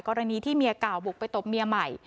กรณีที่เมียเก่าบุกไปตบเมียใหม่